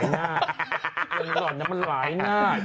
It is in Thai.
ยังหล่อนอย่างนั้นมันหลายหน้า